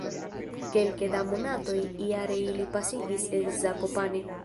Kelke da monatoj jare ili pasigis en Zakopane.